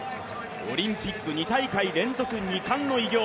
オリンピック２大会連続２冠の偉業